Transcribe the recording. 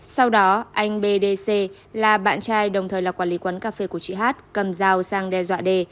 sau đó anh b d c là bạn trai đồng thời là quản lý quán cà phê của chị hát cầm dao sang đe dọa đê